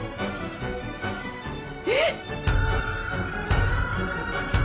えっ！？